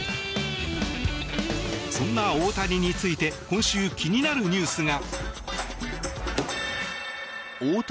そんな大谷について今週、気になるニュースが。